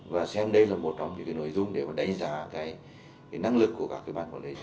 và xem đây là một trong những cái nội dung để mà đánh giá cái năng lực của các cái bán của lễ dự án